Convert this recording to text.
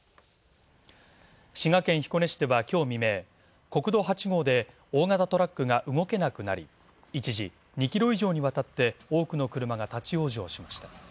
滋賀県彦根市では今日未明、国道８号で大型トラックが動けなくなり、一時、２キロ以上にわたって多くの車が立ち往生しました。